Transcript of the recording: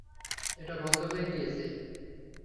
এটা বন্ধ হয়ে গিয়েছে।